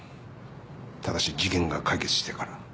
ただし事件が解決してから。